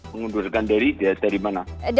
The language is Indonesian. mengundurkan diri dari mana